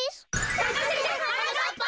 さかせてはなかっぱ。